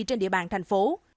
trên địa bàn thành phố